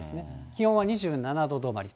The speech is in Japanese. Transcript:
気温は２７度止まり。